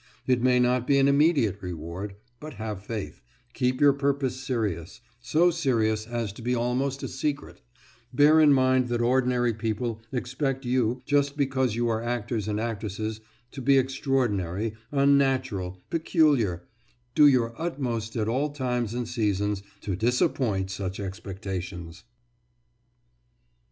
It may not be an immediate reward, but have faith, keep your purpose serious, so serious as to be almost a secret; bear in mind that ordinary people expect you, just because you are actors and actresses, to be extraordinary, unnatural, peculiar; do your utmost at all times and seasons to disappoint such expectations.